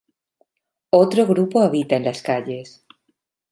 Otro grupo habita en las calles.